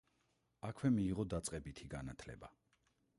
აქვე მიიღო დაწყებითი განათლება.